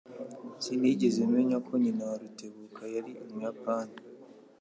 Sinigeze menya ko nyina wa Rutebuka yari Umuyapani.